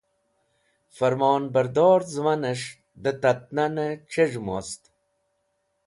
Farmonbardor Zẽmanes̃h de Tat Nane C̃hez̃hm wost